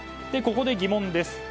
ここで疑問です。